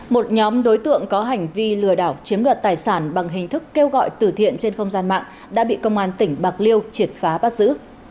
một nhóm đối tượng có hành vi lừa đảo chiếm đoạt tài sản bằng hình thức kêu gọi tử thiện trên không gian mạng đã bị công an tỉnh bạc liêu triệt phá bắt giữ